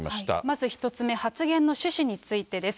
まず１つ目、発言の趣旨についてです。